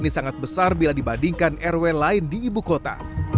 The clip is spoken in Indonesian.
ini sangat besar bila dibandingkan rw lain di ibu kota